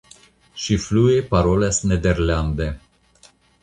Ŝi flue parolas nederlande.